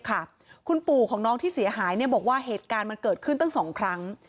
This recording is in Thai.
คุณปู่ของน้องที่เสียหายบอกว่าเหตุการณ์มันเกิดขึ้นตั้ง๒ครั้ง